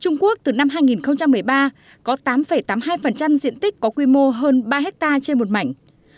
trung quốc từ năm hai nghìn một mươi ba có tám tám mươi hai diện tích có quy mô hơn ba hectare trên một mảnh